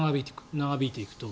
長引いていくと。